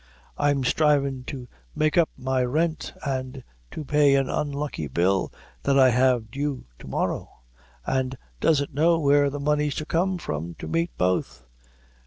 I'm strivin' to make up my rent an' to pay an unlucky bill that I have due to morrow, and doesn't know where the money's to come from to meet both."